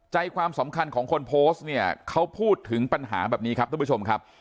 ใจความสำคัญของคนโพสต์เนี่ยเขาพูดถึงปัญหาแบบนี้ครับทุกผู้ชมครับ